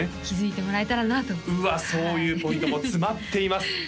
気づいてもらえたらなとうわっそういうポイントも詰まっています